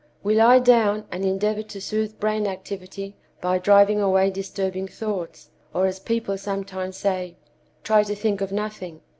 We lie down and endeavor to soothe brain activity by driving away disturbing thoughts, or, as people sometimes say, 'try to think of nothing.